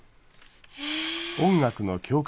へえ。